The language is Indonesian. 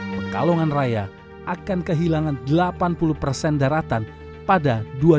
pekalongan raya akan kehilangan delapan puluh persen daratan pada dua ribu dua puluh